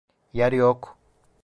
Yer yok!